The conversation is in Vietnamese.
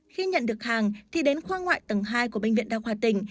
khi nhận được hàng thì đến khoa ngoại tầng hai của bệnh viện đa khoa tỉnh